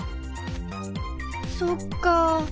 そっかあ。